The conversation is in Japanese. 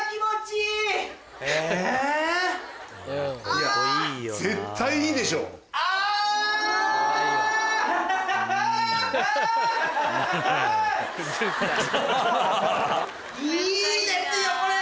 いいですよこれ！